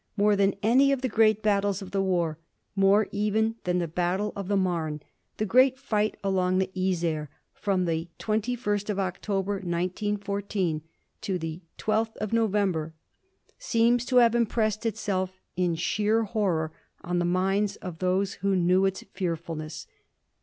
More than any of the great battles of the war, more even than the battle of the Marne, the great fight along the Yser, from the twenty first of October, 1914, to the twelfth of November, seems to have impressed itself in sheer horror on the minds of those who know its fearfulness.